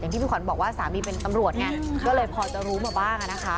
ที่พี่ขวัญบอกว่าสามีเป็นตำรวจไงก็เลยพอจะรู้มาบ้างนะคะ